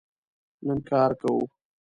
نن کار کوو